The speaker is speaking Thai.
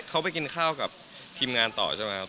เขาไปกินข้าวกับทีมงานต่อใช่ไหมครับ